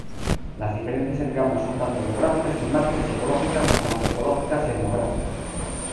Las diferencias entre ambas son tanto orográficas, climáticas y ecológicas como antropológicas y etnográficas.